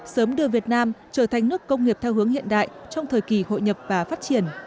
sớm đưa việt nam trở thành nước công nghiệp theo hướng hiện đại trong thời kỳ hội nhập và phát triển